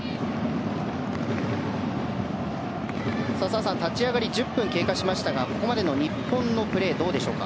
澤さん、立ち上がり１０分経過しましたがここまでの日本のプレーはどうでしょう。